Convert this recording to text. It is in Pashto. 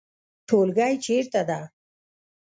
ټولګی چیرته ده؟